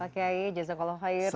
pak kay jazakallah khair